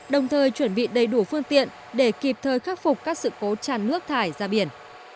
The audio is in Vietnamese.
đồng thời chuẩn bị đầy đủ phương tiện để kịp thời khắc phục các sự cố tràn nước thải ra biển